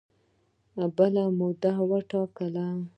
بله موده وټاکله